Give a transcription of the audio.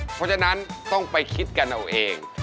เพราะฉะนั้นต้องไปคิดกันเอาเอง